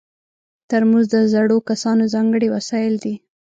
ترموز د زړو کسانو ځانګړی وسایل دي.